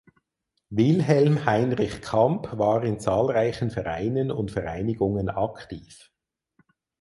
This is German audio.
Wilhelm Heinrich Kamp war in zahlreichen Vereinen und Vereinigungen aktiv.